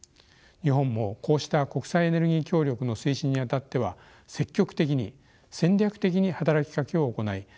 日本もこうした国際エネルギー協力の推進に当たっては積極的に戦略的に働きかけを行い